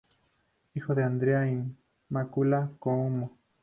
Hijo de Andrea e Immaculata Cuomo.